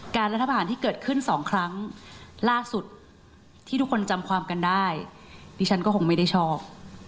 รัฐบาลที่เกิดขึ้นสองครั้งล่าสุดที่ทุกคนจำความกันได้ดิฉันก็คงไม่ได้ชอบ